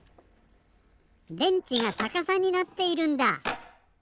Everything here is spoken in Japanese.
電池がさかさになっているんだ。